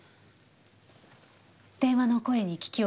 電話の声に聞き覚えは？